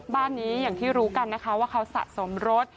บ้านนี้อย่างที่รู้กันนะคะว่าเขาสะสมรส